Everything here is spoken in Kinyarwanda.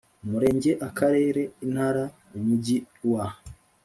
Umurenge Akarere Intara Umujyiwa